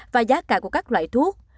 và giá cả của các loại thuốc